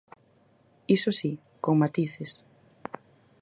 Iso si, con matices.